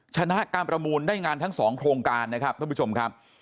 ชนะการประมูลได้งานทั้ง๒โครงการนะครับท่านผู้ชมครับ